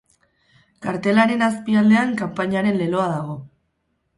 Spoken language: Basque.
Kartelaren azpialdean kanpainaren leloa dago.